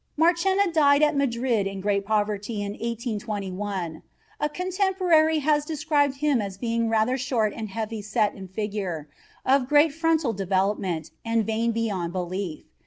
Marchena died at Madrid in great poverty in 1821. A contemporary has described him as being rather short and heavy set in figure, of great frontal development, and vain beyond belief.